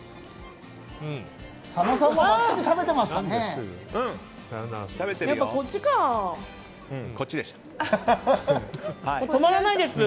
佐野さんもがっつり食べてましたね。